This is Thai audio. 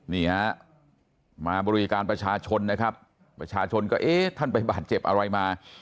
นี่ฮะมาบริการประชาชนนะครับประชาชนก็เอ๊ะท่านไปบาดเจ็บอะไรมา